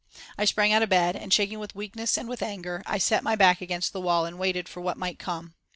I sprang out of bed and, shaking with weakness and with anger, I set my back against the wall and waited for what might come.